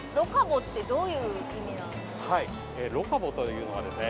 はいロカボというのはですね